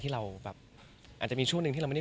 ก็มีไปคุยกับคนที่เป็นคนแต่งเพลงแนวนี้